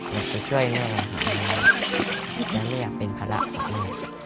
อยากจะช่วยเงินอยากเป็นภาระของผม